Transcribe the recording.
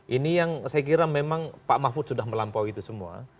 ini yang saya kira memang pak mahfud sudah melampaui itu semua